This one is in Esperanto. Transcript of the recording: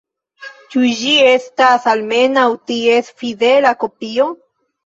Ĉu ĝi estas almenaŭ ties fidela kopio?